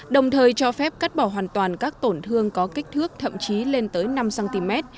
đồng thời cho phép cắt bỏ hoàn toàn các tổn thương có kích thước thậm chí lên tới năm cm